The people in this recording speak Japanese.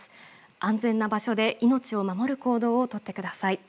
安全な場所で命を守る行動を取ってください。